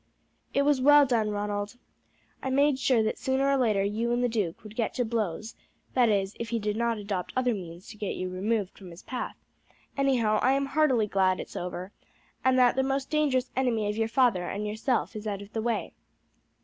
"It was well done, Ronald. I made sure that sooner or later you and the duke would get to blows, that is if he did not adopt other means to get you removed from his path; anyhow I am heartily glad it's over, and that the most dangerous enemy of your father and yourself is out of the way.